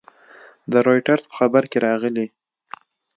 د رویټرز په خبر کې راغلي